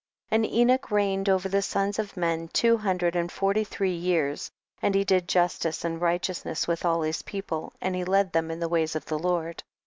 12. And Enoch reigned over the sons of men two hundred and forty three years, and he did justice and righteousness with all his people, and he led them in the ways of the Lord.